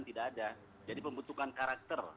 tidak ada jadi pembentukan karakter